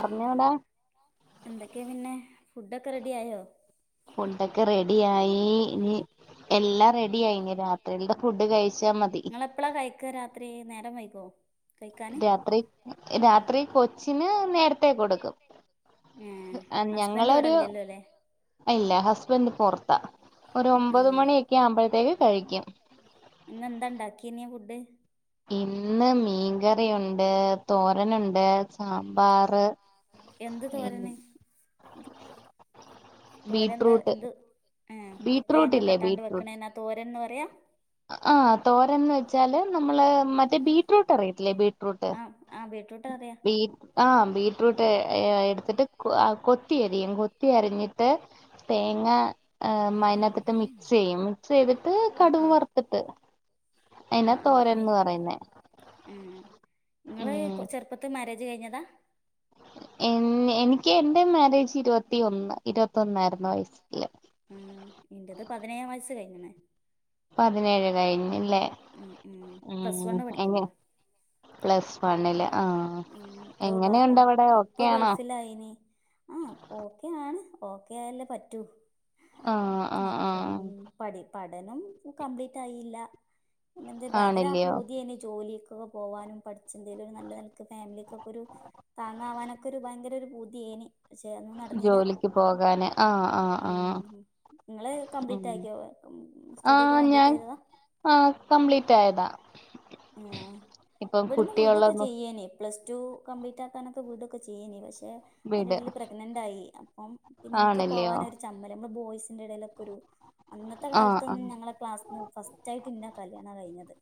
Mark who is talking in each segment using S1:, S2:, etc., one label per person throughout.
S1: പറഞ്ഞോടാ
S2: എന്തൊക്കെയാ പിന്നെ ഫുഡൊക്കെ റെഡി ആയോ
S1: ഫുഡൊക്കെ റെഡി ആയി ഇനി എല്ലാം റെഡി ആയി രാത്രി ന്ത്‌ ഫുഡ് കഴിച്ചാൽ മതി
S2: എപ്പള കൈക്കാ രാത്രി നേരം വൈകോ കഴിക്കാന്
S1: രാത്രി രാത്രി കൊച്ചിന് നേരത്തെേ കൊടുക്കും
S2: ഏ ഹസ്ബൻഡ്
S1: ഞങ്ങളൊരു
S2: ഇവിടെല്ലല്ലോ ല്ലേ
S1: ഇല്ല ഹസ്ബൻഡ് പൊറത്താ ഒരു
S2: ആ
S1: ഒമ്പത് മണിയൊക്കെ ആവുമ്പോഴത്തേക്ക് കഴിക്കും
S2: ഇന്നെന്താ ഉണ്ടാക്കി നെ ഫുഡ്
S1: ഇന്ന് മീൻകറിയുണ്ട് തോരനുണ്ട് സാമ്പാറ്
S2: എന്ത് തോരന് ത് തോര എന്താ
S1: ബീറ്റ്റൂട്ട്
S2: എന്ത് ഏ
S1: ബീറ്റ്റൂട്ട്
S2: തേങ്ങ കെ
S1: ഇല്ലേ
S2: ഇട്ടാണ്ട്
S1: ബീറ്റ്റൂട്ട്
S2: വെക്കണീനാ തോരന്ന് പറയാ
S1: ആ തോരന്ന് വെച്ചാല് നമ്മള് മറ്റേ ബീറ്റ്റൂട്ട് അറിയത്തില്ലേ ബീറ്റ്റൂട്ട്
S2: ആ ബീറ്റ്റൂട്ട് അറിയാം
S1: ബീ ആഹ് ബീട്ട്റൂട്ട് എടുത്തിട്ട് കൊത്തി അരിയും കൊത്തി അരിഞ്ഞിട്ട് തേങ്ങ മതിനകത്തിട്ട് മിക്സ് ചെയ്യും മിക്സ് ചെയ്തിട്ട് കടുക് വറത്തിട്ട്
S2: ആ ആ ആയി ഉം നിങ്ങള് ചെറുപ്പത്ത് മാരേജ് കഴിഞ്ഞതാ
S1: എഞ് എനിക്ക് എന്റെ മാരേജ് ഇരുപത്തിയൊന്ന് ഇരുപതൊന്നായിരുന്നു വയസ്സില്
S2: മ് ഇൻ്റെത് പതിനേഴാം വയസ്സ് കഴിഞ്ണ്
S1: പതിനേഴ് കഴിഞ്ഞില്ലേ
S2: ഉം പ്ലസ്
S1: ഉം
S2: വണ്ണ് പഠിക്കുമ്പളാ
S1: എങ്ങെ പ്ലസ് വണ്ണില്
S2: ഉം അത് ബാ
S1: എങ്ങനെയുണ്ട് അവിടെ
S2: ഉപ്പ
S1: ഓക്കെയാണോ
S2: ഗൾഫിലായിന് ആ ഓക്കെയാണ് ഓക്കെ ആയല്ലേ പറ്റൂ
S1: ആ ആ ആ
S2: മക്കം പഠി പഠനം കംപ്ലീറ്റ് ആയില്ല പിന്നെ എന്ത് ഭയങ്കര ആ
S1: ആണല്ലയോ
S2: പൂതിയന്നെ ജോലികൊക്കെ പോകാനും പഠിച്ച എന്തേലും ഒരു നല്ല ഫാമിലികൊക്കൊരു താങ്ങാവാനൊക്കൊരു ഭയങ്കര ഒരു പൂതിയേനി. ക്ഷെ ഒന്നും നടന്നീല
S1: ജോലിക്ക് പോകാന് ആ ആ ആ
S2: മ് ഇങ്ങള്
S1: ഉം
S2: കംപ്ലീറ്റ് ആക്ക്യോ?
S1: ആ
S2: സ്റ്റഡിയൊക്കെ
S1: ഞാൻ
S2: കംപ്ലീറ്റെയ്തത
S1: ആ കംപ്ലീറ്റ് ആയതാ
S2: ആ
S1: ഇപ്പം
S2: ഇവിടുന്ന് വിടൊക്കെ
S1: കുട്ടിയുള്ളന്ന്
S2: ചെയ്യേനിം പ്ലസ് ടു കംപ്ലീറ്റ് ആക്കാനൊക്കെ വിടൊക്കെ ചെയ്യേനിം പക്ഷെ
S1: വീട്
S2: അയിന്റെടിൽ പ്രെഗ്നന്റ് ആയി അപ്പം പിന്നെ ഇൻക്ക്
S1: ആണല്ലയോ
S2: പോവാനൊരു ചമ്മലാ മ്മടെ ബോയ്സിന്റെ എടേലൊക്കെ ഒരു അന്നത്തെ
S1: ആ ആ
S2: കാലത്തൊന്നും ഞങ്ങളെ ക്ലാസ്സ്ന്ന് ഫസ്റ്റ് ആയിട്ട് ഇന്നെ കല്ല്യാണം കഴിഞ്ഞത്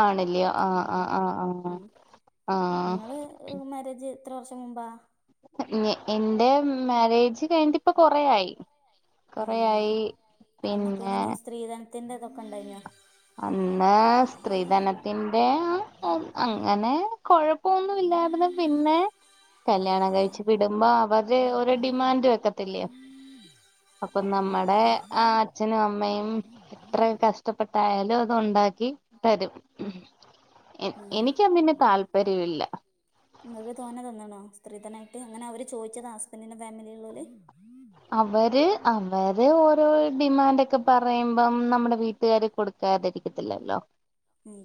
S1: ആണ്ല്ലേ ആഹ് ആഹ് ആഹ് ആഹ്
S2: ങ്ങള് മാരേജ് എത്ര വർഷം മുമ്പാ
S1: നി ഇന്റെ മാരേജ് കഴിഞ്ഞ്ട്ട് ഇപ്പൊ കൊറെ ആയി
S2: ഉം
S1: കൊറെയായി പിന്നെ
S2: ഇതിന്റെതൊക്ക ഇണ്ടയ്ഞ്ഞോ
S1: അന്ന് സ്ത്രീധനത്തിന്റെ അങ്ങനെ കൊഴ പ്പോന്നുല്ലായിരുന്നു പിന്നെ കല്ല്യാണം കഴിച്ച് വിടുമ്പോ അവര് ഓരോ ഡിമാൻഡ് വെക്കത്തില്ലെയോ അപ്പൊ
S2: ഉം
S1: നമ്മടെ
S2: ഉം
S1: ആ അച്ഛനും അമ്മയും ഇത്രേം കഷ്ടപ്പെട് ട്ടായാലും അത് ഉണ്ടാക്കി തരും എന
S2: ഉം
S1: എനിക്കതിന് താല്പര്യവില്ല
S2: ഇങ്ങക്ക് തോന തന്ന്ണോ സ്ത്രീധനായിട്ട് അങ്ങനെ അവര് ചോയ്ച്ചതാ ഹസ്ബൻറിന്റെ ഫാമിലീലിള്ളോല്
S1: അവര് അവര് ഓരോ ഡിമാൻഡ ഒക്കെ പറയുമ്പം നമ്മുടെ വീട്ടുകാര് കൊടു ക്കാതിരിക്കത്തില്ലല്ലോ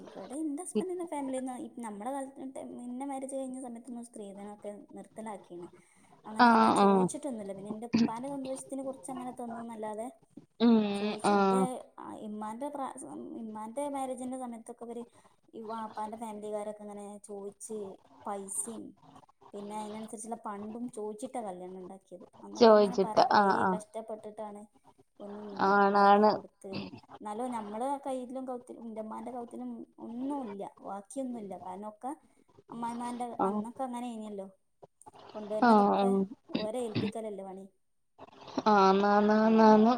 S2: ഇവിടെ ഇന്റെ ഹസ്ബൻഡിന്റെ ഫാമിലീന്നാ ഇ നമ്മടെ കാലംന്നൊട്ട് മാരേജ് കഴിഞ്ഞ സമയത്തൊന്നും സ്ത്രീധനംക്കെ നിർ ത്തിലാക്കീന് അങ്ങനെ വല്ലാ
S1: ആഹ് ആഹ്
S2: ചോയ്ച്ട്ട് റ്റൊന്നുല്ല പിന്നെ ന്റെ ഉപ്പാന്റെ സന്തോഷത്തിന് കൊറച്ച് അങ്ങനെ തന്നുന്നല്ലാതെ
S1: ഉം
S2: ചോയ്ച്ചു
S1: ആഹ്
S2: ഇന്റെ ഇമ്മാന്റെ പ്രാ ഇമ്മാന്റെ മാരേജിന്റെ സമയത്തൊക്കെ ഇവര് ഈ വാപ്പാന്റെ ഫാമിലിക്കാരൊക്കെ ഇങ്ങനെ ചോയ്ച്ച് പൈസിം പിന്നെ അയ്നൻസരിച്ച്ള്ള പണ്ടാെം ചോയ്ച്ചിട്ടാ കല്ല്യാണം ഇണ്ടാക്കിയത് അന്നൊക്കെ ഇങ്ങനെ
S1: ചോയിച്ചിട്ട്
S2: പറയാ കൊറെ
S1: ആഹ് ആഹ്
S2: കഷ് ടപ്പെട്ടിട്ടാണ് പൊന്നും ഇതും ഇണ്ടാക്കി
S1: ആണാണ്
S2: കൊടുത്ത് ന്നാലോ മ്മളെ കയ്യിലും കൗത്തില ന്റെമാന്റെ കൗത്തിലും ഒന്നുല്ല വാ ക്ക്യാെന്നുല്ല കാരണം ഒക്കെ അമ്മായിമാന്റെ
S1: ആഹ്
S2: അന്നൊക്കെ അങ്ങനെയ്നല്ലോ കൊണ്ട് വര്ണതൊക്കെ
S1: ആഹ്
S2: ഓലെ ഏൽപ്പിക്കലല്ലേ പണി
S1: ആന്ന് ആന്ന് ആന്ന് ആന്ന്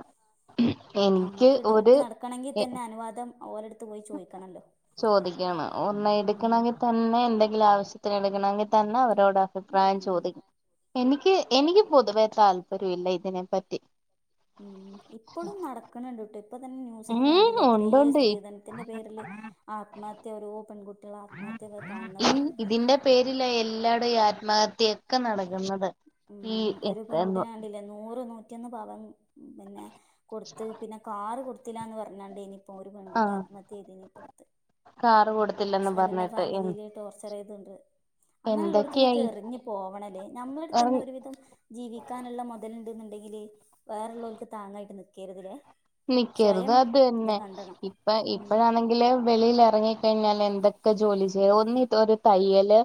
S2: അമ്മക്ക് ഇട് ഇട്ട് നടക്കണങ്കി തന്നെ അനുവാദം ഓലട്ത്ത് പോയി ചോയ്ക്കണല്ലോ
S1: ചോദിക്കണം ഒന്ന് എടുക്കണങ്കി തന്നെ എന്തെങ്കിലും ആവശ്യത്തിന് എടുക്കണങ്കിൽ തന്നെ അവരോട അഭിപ്രായം
S2: ഉം
S1: ചോദി എനിക്ക് എനിക്ക് പൊതുവേ താല്പര്യം ഇല്ല ഇതിനെപ്പറ്റി
S2: ഉം ഇപ്പളും നടക്ക്ണ് ണ്ട്ട്ടോ ഇപ്പ തെൻ ന്യൂസിലൊക്കെ
S1: ഉം
S2: കണ്ടില്ലേ ഇത്രീം
S1: ഉണ്ടുണ്ട്
S2: സ്ത്രീധനത്തിന്റെ പേരില് ആത്മഹത്യ ഓരോ പെൺകുട്ടികള ആത്മഹത്യക്കെ കാണ് ണ്
S1: ഇതിന്റെ പേരിലാ എല്ലാടും ഈ ആത്മഹത്യെക്കെ നടക്ക്ന്നത്
S2: ഉം ഒരു പെങ്കുട്ടിനെ കണ്ടില്ലേ നൂറ് നൂറ്റിയൊന്ന് പവൻ പിന്നെ കൊട്ത്ത് പിന്നെ കാറ് കൊടുത്തില്ലാന്ന് പറഞ്ഞാണ്ടെയ്നിപ്പം ഒരു പെങ്കുട്ടി
S1: ആഹ്
S2: ആത്മഹത്യെയ്തിനിപ്പട്ത്ത്
S1: കാറ് കൊടുത്തില്ലെന്ന്
S2: ഹസ്ബന്റിന്റെ
S1: പറഞ്ഞിട്ട് എ
S2: ഫാമിലിയില് ടോർ ചറേയ്താേണ്ട് അങ്ങനെള്ളോട്ത്ത്ന്നൊക്കെ
S1: എന്തൊക്കെയായി
S2: എറങ്ങി പോവണല്ലേ നമ്മളട് വിധം ജീവിക്കാന്ള്ള മാെതല്ണ്ട്ന്ന്ണ്ടെങ്കില് വേറെള്ളാേൽക്ക് താങ്ങായിട്ട് നിക്കര്ത് ലേ
S1: നിക്കര്ത് അതന്നെ ഇപ്പ
S2: ഉം
S1: ഇപ്പഴാണെ ഇല്ലേ വെളീല് എറങ്ങി കഴിഞ്ഞാല് എന്തൊക്കെ ജോലി ചെയ്യാ ഒന്നിത് ഒരു തയ്യല്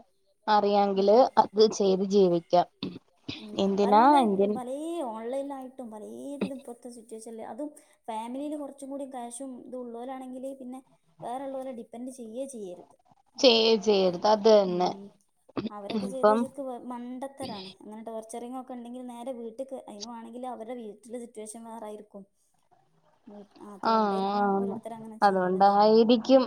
S2: ഉം
S1: അറിയാങ്ക്ല് അത് ചെയ്ത് ജീവിക്കാം
S2: ഉം
S1: എന്തിനാ
S2: പല്ല
S1: എന്തി
S2: പലേ ഓൺലൈൽലായിട്ടും പലേതിലും ഇപ്പൊത്തെ സിറ്റുവേഷൻല് അതും ഫാമിലീല് കാെറച്ചും കൂടി ക്യാഷും ഇതും ഉള്ളോലാണെങ്കില് പിന്നെ വേറെള്ളോലെ ഡിപ്പെൻഡ് ചെയ്യേ ചെയ്യര്ത്
S1: ചെയ്യ ചെയ്യരുത് അത് തന്നെ
S2: ഉം അവരൊക്കെ ചെയ്തത്
S1: ഇപ്പം
S2: ശരിക്ക്‌ വ മണ്ടത്തരാണ് ങ്ങനെ ടോർച്ചറിങ്ങൊക്കെ ഉണ്ടെങ്കിൽ നേരെ വീട്ട്ക്ക്‌ അതിനു വാണെങ്കിൽ അവരുടെ വീട്ടിൽ സിറ്റുവേഷൻ വേറായിരിക്കും
S1: ആഹ ആ
S2: അതുകൊണ്ടായിരിക്കും ഓരോരുത്തർ അങ്ങനെ ചെയ്യണതേ
S1: അതുകൊണ്ടായിരിക്കും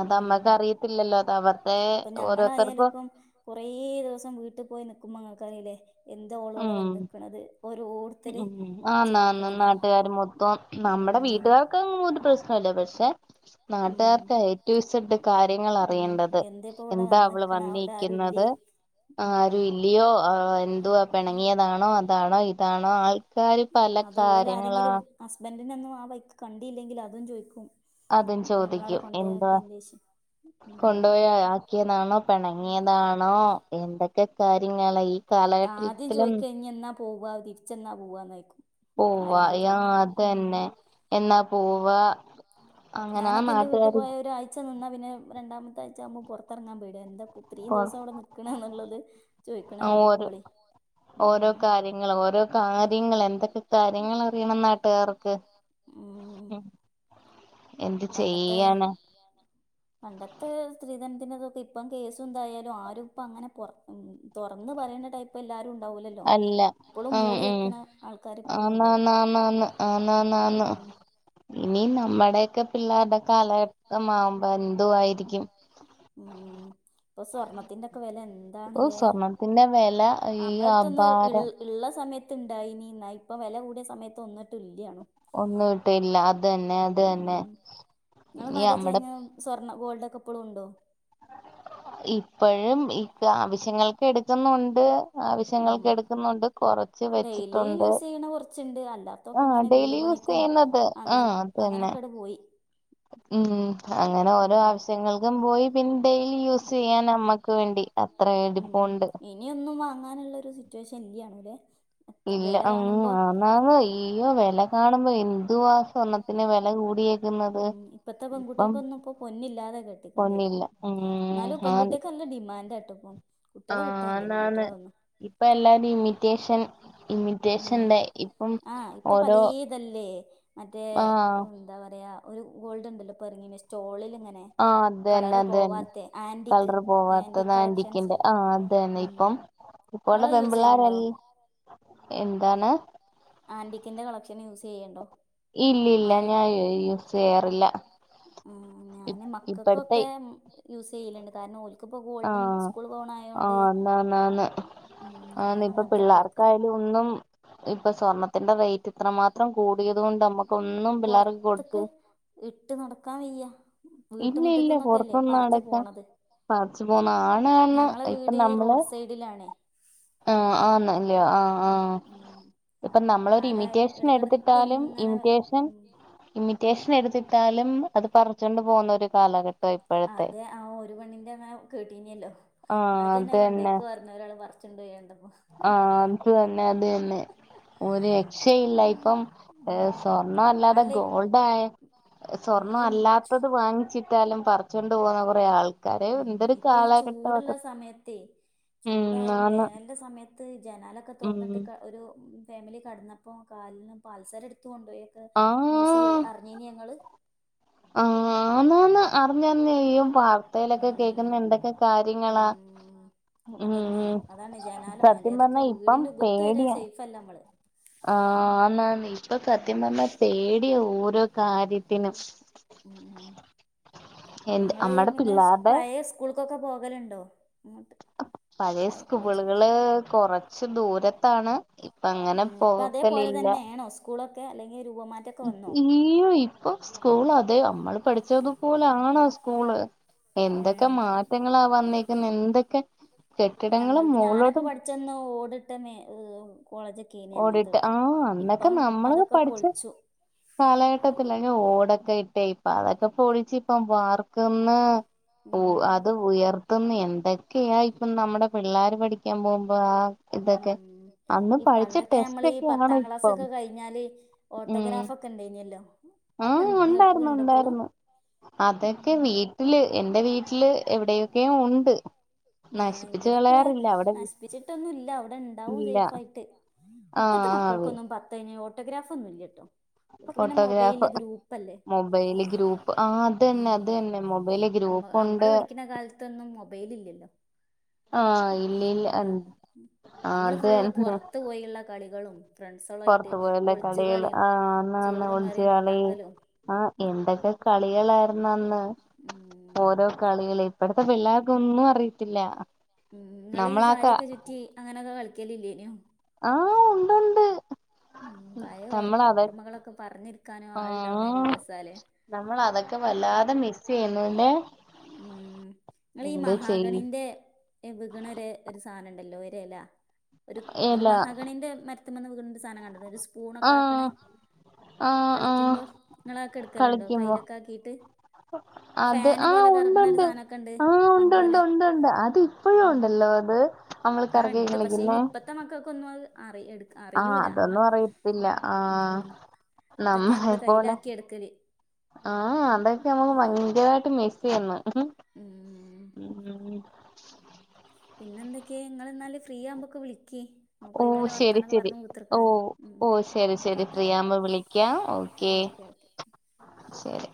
S1: അത
S2: ഉം
S1: മ്മക്ക് അറിയ യില്ലല്ലോ അത അവർ
S2: ഇപ്പൊ ഞമ്മളായാലും ഇപ്പം കൊറേ ദിവസം വീട്ടിൽ പോയി നിക്കുമ്പൊ ങ്ങൾക്കറില്ലേ എന്താ ഓള് ഇവടെ
S1: ഉം
S2: വന്ന്ക്ക്‌ണത് ഓരോരുത്തര്
S1: ഉം
S2: ചോദിക്കണത്
S1: നമ്മുടെ
S2: ഉം
S1: വീട്ടുകാർക്ക്‌ ഒരു പ്രശ്നല്ല പക്ഷെ
S2: ഉം
S1: നാട്ടുകാർക്ക്‌ ഏറ്റു സെഡഡ് കാര്യങ്ങൾ
S2: ഉം
S1: അറിയേണ്ടത്
S2: എന്തേപ്പോ ഇവിടെ
S1: എന്താ അവള്
S2: വന്ന്ക്ക്ണ് അവിടെ ആരുല്ലേ
S1: വന്നിരിക്കുന്നത്
S2: ഉം
S1: ഇയോ എന്തുവാ പിണങ്ങിയതാണോ അതാണോ ഇതാണോ ആൾ ക്കാര് പല
S2: അത് ഓല്
S1: കാര്യങ്ങളാ
S2: ആരെങ്കിലും ഹസ്ബൻഡിനൊന്നും ആ വൈക്ക് കണ്ടിയില്ലെങ്കില് അതും ചോയിക്കും
S1: അതും
S2: നമ്മളവിടെ
S1: ചോദിക്കും എന്താ
S2: കൊണ്ടയാക്കിയേന്റേഷം ഉം
S1: കൊണ്ടുപോയ ിയതാണോ പിണങ്ങിയതാണോ എന്തൊക്കെ കാര്യങ്ങ ഈ
S2: ആദ്യം
S1: കാലഘട്ടത്തിലും
S2: ചോയിക്ക ഇനി എന്നാ പോവാ തിരിച്ചെന്നാ പോവന്നോയ്ക്കും
S1: പോവാ ആ അതന്നെ എന്നാ പോവ അങ്ങനെ ആ
S2: ഞാനൊക്കെ എന്റെ വീട്ടു
S1: നാട്ടുകാര്
S2: പോയ ഒരാഴ്ച നിന്നാ പിന്നെ രണ്ടാമത്തെ ആഴ്ച ആകുമ്പോ പുറത്തറങ്ങാൻ പേടിയാ എന്തൊക്കും ഇത്രീം
S1: അപ്പോൾ
S2: ദിവസം അവിടെ നിക്ക്‌ണ എന്നുള്ളത് ചോയ്ക്ക്‌ണ കേക്കുമ്പോളേ ഉ
S1: ഇങ്ങള്ഓരോ കാര്യങ്ങള് എന്തൊക്കെ കാര്യങ്ങളറിയണം നാട്ടുകാർക്ക്
S2: ഉം.
S1: എന്ത്
S2: പണ്ടത്തെ
S1: ചെയ്യാനാ
S2: പണ്ടത്തെ സ്ത്രീധനത്തിന്റെതൊക്കെ ഇപ്പം കേസും ന്തായാലും ആരും ഇപ്പ അങ്ങനെ പൊറത്ത തുറന്നന്ന് പറയേണ ടൈപ്പ് ഇപ്പ എല്ലാരും ഉണ്ടാവൂലല്ലോ
S1: അല്ല
S2: ഇപ്പളും
S1: ഉം
S2: മൂടി
S1: ഉം
S2: വെക്കണ ആൾക്കാർ ഇപ്പളും ഉണ്ടാവും
S1: ആ ന്ന ന്ന ന്ന്
S2: ഉം.
S1: ഇനി നമ്മടെക്കെ പിള്ളേരുടെെ കാലഘട്ടമാവുമ്പോ എന്തുവായിരിക്കും
S2: ഉം ഇപ്പൊ സ്വർണത്തിന്റെക്കെ വെല എന്ത
S1: ഓ
S2: ന്താണ്ലേ
S1: സ്വർണത്തിന്റെ വെല അയ്യോ
S2: നമ്മളടുത്ത ക്കെന്ന്
S1: അപാരം
S2: ഉള്ള സമയത്ത്ണ്ടായിനി ഇന്ന ഇപ്പൊ വില കൂടിയ സമയത്ത് ഒന്ന ട്ടുല്യാണും
S1: ഒന്നും ഒട്ടില്ല അത് തന്നെ അത് തന്നെ
S2: ങ്ങളെ
S1: ഈ
S2: മറ്റെ
S1: നമ്മടെ
S2: ചെയ്‌നും സ്വർണ്ണ ഗോൾഡ് ഒക്കെ ഇപ്പളും ഉണ്ടോ
S1: ഇപ്പഴും ഇക്ക ആവശ്യങ്ങൾക്ക്‌ എടുക്കുന്നുണ്ട് ആവ
S2: ഉം
S1: ശ്യങ്ങൾക്ക് എടുക്കുന്നുണ്ട് കൊറച്ച് വെച്ചിട്ടുണ്ട്
S2: ച്ച്ണ്ട് അല്ലാത്തൊക്കെ
S1: ആഹ്
S2: ഇങ്ങനെ വീട്
S1: ഡെയിലി യൂസ്
S2: പണിക്കും
S1: ചെയ്യുന്നത്
S2: അങ്ങ
S1: ആഹ് അത് തന്നെ
S2: അങ്ങനെയൊക്കെ ണ്ട് പോയി
S1: ഉം അങ്ങനെ ഓരോ ആവശ്യങ്ങൾക്കും പോയി പിന്നെ ഡെയിലി യൂസ് ചെയ്യാൻ നമ്മക്ക് വേണ്ടി അത്ര
S2: ഉം
S1: എണ്ടിപ്പുണ്ട്
S2: ഇനിയൊന്നും വാങ്ങാനുള്ള ഒരു സിറ്റുവേഷൻ ഇല്ല്യാനും ലേ
S1: ഇല്ല ഉ ആന്നാന്ന അയ്യോ വില കാണുമ്പോ എന്തുവാ സ്വർണത്തിന് വെല കൂടിയ
S2: ഉ ഇപ്പത്തെ പെൺകുട്ടികൾക്കൊന്നും ഇപപ്പൊ ന്നില്ലാതെ കെട്ടക്കേണ്ടി വരും
S1: പൊന്നില്ല ഉം
S2: ന്നാലും
S1: ആന്ന്
S2: പെൺകുട്ടികൾക്ക് നല്ല ഡിമാന്റാട്ടോ ഇപ്പം കുട്ടികളെ കിട്ടാനില്ല
S1: ആന്നാന്ന്
S2: പെൺകുട്ടിള ഒന്നും [inaudible]
S1: ഇപ്പൊ എല്ലാരും ഇമിറ്റേഷൻ
S2: ഉ
S1: ഇമിറ്റേഷന്റെ ഇപ്പം
S2: ആഹ ഇപ്പൊ
S1: ഓരോ
S2: പലേ ഇതല്ലേ മറ്റേ
S1: ആഹ്
S2: എന്താ പറയ ഒരു ഗോൾഡ് ഉണ്ടല്ലോ പ്പറങ്ങീനെ സ്റ്റോളിലിങ്ങനെ
S1: ആ അത് തന്നെ അത് തന്നെ
S2: ആന്റിക്ക്
S1: കളർ പോവാത്തത്
S2: ആന്റിക് കളക്ഷൻസ്
S1: ആന്റിക്കിന്റെ ആ അ തന്നെ
S2: ഉം
S1: ഇപ്പം ഇപ്പോള്ളെ
S2: നിങ്ങള് യൂസ് ചെയ്യലുണ്ടോ
S1: പെൺപിള്ളോരൽഎന്താണ്
S2: ആന്റിക്കിന്റെ കളക്ഷന് യൂസ് ചെയ്യണ്ടോ
S1: ഇല്ല ഇല്ല ഞാൻ യൂസ് ചെയ്യാറില്ല
S2: ഉം ഞാന്
S1: ഇപ്പഴത്തെ
S2: മക്കക്കൊക്കെ യൂസ് ചെയ്യലുണ്ട് കാരണം ഓല് ക്ക്‌ ഇപ്പോ ഗോൾഡ്
S1: ആഹ്
S2: സ്കൂൾ പോവണയയോണ്ട്
S1: ആന്നാന്നാന്ന്
S2: ഉം
S1: ആന്ന് ഇപ്പൊ
S2: അങ്ങനത്തെ ഇട്ട് കൊടുക്കല്
S1: പിള്ളേർക്കായാലും ഒന്നും ഇപ്പ സ്വർണത്തിന്റെ റേ റ്റ്‌ ഇത്രമാത്രം കൂടിയത് കൊണ്ട് നമ്മുക്ക് ഒന്നും പിള്ളേർക്ക് കൊടുത്ത്
S2: പൊറത്ത്ക്ക് ഇട്ട് നടക്കാൻ വയ്യാ
S1: ഇല്ല ഇല്ല
S2: വീട്ടുമുറ്റത്തന്നൊക്കല്ലേ
S1: പുറത്തൊന്നും
S2: പറച്ച്
S1: അടക്കാൻ
S2: പോണത്
S1: പറച്ചു പോന്ന ആണാണ്
S2: ഞങ്ങളെ
S1: ഇപ്പൊ
S2: വീട് ഈ
S1: നമ്മള്
S2: റോഡ് സൈഡിലാണേ
S1: ആഹ് ആന്നല്ലേ ആഹ് ആഹ്
S2: ഉം ഉം
S1: ഇപ്പൊ നമ്മളൊരു
S2: ആരാ
S1: ഇമിറ്റേഷൻ
S2: എടക്കെടക്ക്
S1: എടുത്തിട്ടാലും
S2: ഇങ്ങനെ
S1: ഇമിറ്റേഷൻ
S2: ഉം
S1: ഇമ്മിറ്റേഷൻ എടുത്തിട്ടാലും അത് പറിച്ചൊണ്ട് പോകുന്ന ഒരു കാലഘട്ടം ഇപ്പോഴത്തെ
S2: അതെ ആ ഒരു പെണ്ണിന്റെ ങ്ങനെ കേട്ടീനല്ലോ
S1: ആഹ് അത്
S2: എന്നാജ്ജന്നെ
S1: തന്നെ
S2: കൊണ്ടയ്ക്കൊ ന്ന ഒരാൾ പറച്ചോണ്ടയെ കണ്ടപ്പം
S1: ആഹ് അതന്നെ അതന്നെ ഒരു രക്ഷയില്ല ഇപ്പം ഏ
S2: ഉം
S1: സ്വർണ്ണല്ലാതെ
S2: അല്ല
S1: ഗോൾഡായാ സ്വർണം
S2: ഈ ചു
S1: അല്ലാത്തത് വാങ്ങിച്ചിട്ടാലും പറിച്ചൊണ്ട് പോന്ന കുറെ ആൾ
S2: ഉം ഇപ്പൊ ഈ ചൂടുള്ള സമയത്തെ
S1: ഉം
S2: ചൂടായതോണ്ട്
S1: ആന്ന്
S2: വേനന്റെ സമയത്ത് ത്ത് ജനാലൊക്കെ
S1: ഉം
S2: തുറന്നിട്ട് ഒരു ഫാമിലി കടന്നപ്പോ കാല്ന്ന് പാദസരം എടുത്ത് കൊണ്ട് പോയി ന്യൂസ്
S1: ആഹ്
S2: അറിഞ്ഞീനി നിങ്ങള്
S1: ആഹ് ആന്നാന്ന് അറിഞ്ഞറിഞ് ഈ വാർത്തെലെക്കെ
S2: ഉം
S1: കേൾക്കുന്ന എന്തൊക്കെ കാര്യങ്ങളാ
S2: ഉം
S1: ഉം
S2: അതന്നെ അതാണ്
S1: സത്യം
S2: ജനാലമര്യാദക്ക്
S1: പറഞ്ഞാ ഇപ്പം
S2: വീടിന്റഗത്ത് വരെ
S1: പേടിയാ
S2: സേഫല്ല നമ്മള്
S1: ആഹ് ആന്നാന്ന് ഇപ്പൊ സത്യം പറഞ്ഞ പേടിയ ഓരോ കാര്യത്തിനും
S2: ഉം
S1: എന്ത്
S2: നിങ്ങള്
S1: നമ്മടെ
S2: പിന്നെ
S1: പിള്ളാരുടെ
S2: പഴയ സ്കൂൾക്കൊക്കെ പോകലുണ്ടോ അങ്ങോട്ട്
S1: പഴയ സ്കൂളുകള് കൊറച്ച് ദൂരത്താണ് ഇപ്പ
S2: ഉ
S1: അങ്ങനെ
S2: ഇപ്പൊ അതേപോലെ
S1: പോക്കലില്ല
S2: തന്നെയണോ സ്കൂളൊക്കെ അല്ലെങ്കിൽ രൂപമാറ്റ
S1: ഇയ്യോ ഇപ്പൊ സ്കൂൾ അതെ നമ്മള് പഠിച്ചതുപോലാണോ സ്കൂള്? എന്തൊക്കെ
S2: ഉം
S1: മാറ്റങ്ങളാ വന്നേക്കുന്നെ എന്തൊക്കെ
S2: ഞങ്ങൾ
S1: കെട്ടിടങ്ങളും
S2: ഞാനൊക്കെ
S1: മോളോട്ടും
S2: ഓടിട്ട ന്നെ കോളേജ ക്കീനെ
S1: ഓടിട്ട്
S2: ഞങ്ങളത്ട്ടോ
S1: ആഹ് അന്നൊക്കെ
S2: ഇപ്പം അതൊക്കെ പൊളിച്ചു
S1: കാലഘട്ടത്തില്ലെ ഓടൊക്കെ ഇട്ടേ ഇപ്പ അതൊക്കെ പൊളിച്ച് ഇപ്പ വാർക്ക്ന്ന്
S2: ഉം
S1: അത് ഉയർത്തുന്നു എന്തൊക്കെയാ ഇപ്പൊ നമ്മുടെ പിള്ളേര് പഠിക്കാൻ പോകുമ്പോ ആ ഇതൊക്കെ
S2: ഉം
S1: അന്ന്
S2: ഈ
S1: പഠിച്ച
S2: പണ്ടൊക്കെ
S1: ടെസ്റ്റ്
S2: നമ്മള് ഈ
S1: ഒക്കെയാണ്
S2: പത്താം
S1: ഇപ്പം
S2: ക്ലാസൊക്കെ കഴിഞ്ഞാല്
S1: ഉം
S2: ഓട്ടോഗ്രാഫൊക്കെ ഉണ്ടേനല്ലോ
S1: ആ
S2: അതൊക്കെ ഇങ്ങക്
S1: ഉണ്ടായിരുന്നു
S2: ഉണ്ട്പ്പോളും
S1: ഉണ്ടായിരുന്നു അതൊക്കെ വീട്ടില് എന്റെ വീട്ടില് എവിടെയൊക്കെയൊ ഉണ്ട്
S2: ഞാ
S1: നശിപ്പിച്ച്
S2: ഇന്റതൊക്കെ
S1: കളയാറില്ല അവിടെ
S2: നശിപ്പിച്ചിട്ടൊന്നുല്ല അവിടെ ഇണ്ടാവും
S1: ഇല്ല
S2: സേഫായിട്ട്
S1: ആ
S2: ഇപ്പത്തെ
S1: ആ
S2: മക്കൾക്കൊന്നും പത്ത് കഴിഞ്ഞാൽ ഓട്ടോഗ്രാഫൊന്നും ഇല്ലട്ടോ ഓൽക്ക് പിന്നെ
S1: ഓട്ടോഗ്രാഫ്
S2: മൊബൈലില് ഗ്രൂപ്പല്ലേ
S1: മൊബൈല് ഗ്രൂപ്പ് ആ അതന്നെ അതന്നെ മൊബൈ
S2: ന നമ്മള് പഠിക്കുന്ന കാലത്തൊന്നും മൊബൈലില്ലല്ലോ
S1: ആ
S2: മൊബൈലുല്ല
S1: ഇല്ലില്ല
S2: നമ്മള് ഫുള്ള്
S1: അതന്നെ
S2: പുറത്തു പോയുള്ള കളികളും ഫ്രണ്ട്സളായിട്ട്
S1: പുറത്തു പോയുള്ള
S2: ഒളിച്ച്
S1: കളികൾ
S2: കളിയും
S1: ആ അന്ന് അന്ന്
S2: ചോറും
S1: ഒളിച്ച്
S2: കറിയും
S1: കളി
S2: ഉണ്ടാക്കലും
S1: ആ എന്തൊക്കെ കളികളായിരുന്നു അന്ന്
S2: ഉം
S1: ഓരോ കളികളും ഇപ്പടത്തെ പിള്ളേർക്ക് ഒന്നും അറയിത്തില്ല
S2: ഉം നിങ്ങൾ ഈ സാരിയൊക്കെ ചുറ്റി അങ്ങനെയൊക്കെ കളിക്കലില്ലേനോ
S1: ആഹ് ഉണ്ടുണ്ട്.
S2: ഉം പയേ ഓർ
S1: നമ്മൾ അതൊ
S2: ഓർമ്മകളൊക്കെ പർഞ്ഞിര്ക്കാനു
S1: ആ
S2: ആൾണ്ടാവ്ണരു രസാലെ.
S1: നമ്മൾ അതൊക്കെ വല്ലാതെ മിസ്സ് ചെയ്യുന്നു ല്ലെ.
S2: ഉം ങ്ങളീ
S1: ചെയ്
S2: മഹാഗണിന്റെ. എ വിക്ണൊരെ ഒര് സാനണ്ടല്ലോ ഒരെല ഒരു ഒരു
S1: ഇല്ല
S2: മഹാഗണിന്റെ മര് ത്ത്മ്മന്ന് വിക്ണൊര് സാനം കണ്ട്ണൊ ഒരു
S1: ആ
S2: സ്പൂണൊക്കാക്ക്ണേ.
S1: ആ ആ
S2: കളിക്ക്യുമ്പോ ഇങ്ങള ഒക്കെ ഇട്ക്കല്ണ്ടോ
S1: കളിക്കുമ്പോ
S2: കയ്യിലൊക്കെ ആക്കിട്ട്
S1: അത്
S2: ഫാന്.
S1: ആ
S2: പോലെ കർങ്ണരു
S1: ഉണ്ടുണ്ട്
S2: സാനൊക്കണ്ട്
S1: ആ ഉണ്ട്
S2: പങ്ക
S1: ഉണ്ട്
S2: പോലെ
S1: ഉണ്ട് ഉണ്ട് അത് ഇപ്പോഴും
S2: ഉം.
S1: ഉണ്ടല്ലോ അത് നമ്മൾ
S2: ആഹ്
S1: കറക്കി
S2: ണ്ട് പക്ഷെ ഇനി
S1: കളിക്കുന്നേ
S2: ഇപ്പത്തെ മക്കക്കൊന്നു അത് അറി എടു
S1: ആഹ്
S2: അറിയൂല അങ്ങ
S1: അതൊന്നു അറിയത്തില്ല ആഹ്
S2: ഉം അതൊക്കെ
S1: നമ്മളെ
S2: നമ്മള്
S1: പോലെ.
S2: കയ്യിലാക്കി എടുക്കല്
S1: ആഹ് അതൊക്കെ നമ്മക് ഭയങ്കരായിട്ട് മിസ്സെയ്യ്ന്ന്. ഉം
S2: ഉം
S1: ഉം ഉം.
S2: പിന്നെന്തെക്കെ ങ്ങള്ന്നാല് ഫ്രീ ആവുമ്പൊക്കെ വിളിക്കീ.
S1: ഓ
S2: നമക്കൊയ് വോലെ
S1: ശരി
S2: വർത്താനൊക്കെ
S1: ശരി
S2: പർഞു
S1: ഓ
S2: കുത്തർക്കാല ഉം
S1: ഓ ശരി ശരി
S2: ഓക്കെന്നാല്
S1: ഫ്രീയാവുമ്പോ വിളിക്കാം
S2: ആഹ് ഓക്കെ. [inaudible]
S1: ശരി.